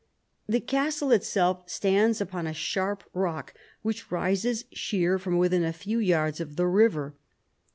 The castle itself stands upon a sharp rock which rises sheer from within a few yards of the river.